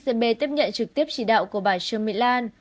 s t b tiếp nhận trực tiếp chỉ đạo của bà trương mỹ lan